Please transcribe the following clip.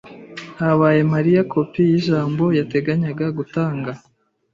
yahaye Mariya kopi y'ijambo yateganyaga gutanga.